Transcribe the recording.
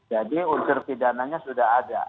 jadi unsur pidananya sudah ada